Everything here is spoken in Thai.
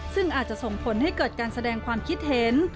ซึ่งอาจจะส่งผลให้เกิดการแสดงความคิดเห็น